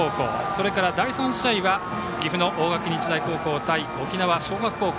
それから第３試合は岐阜の大垣日大高校対沖縄尚学高校。